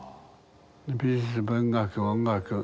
美術文学音楽